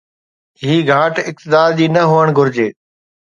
هي گهاٽ اقتدار جي نه هئڻ گهرجي.